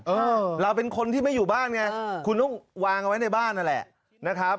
เออเราเป็นคนที่ไม่อยู่บ้านไงคุณต้องวางเอาไว้ในบ้านนั่นแหละนะครับ